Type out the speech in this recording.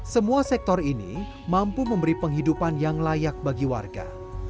semua sektor ini mampu memberi penghidupan yang layak bagi warga